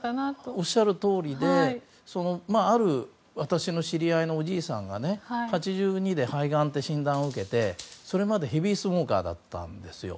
おっしゃるとおりで私の知り合いのおじいさんは８２歳で肺がんって診断を受けてそれまでヘビースモーカーだったんですよ。